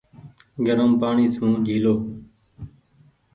گرم پآڻيٚ سون جيهلو ۔